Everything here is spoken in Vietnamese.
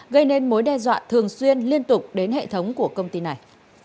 gây nên mối đe dọa thường xuyên liên tục đến hệ thống của công ty này